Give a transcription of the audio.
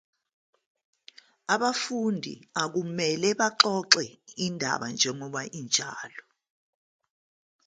Abafundi akumele baxoxe indaba njengoba injalo.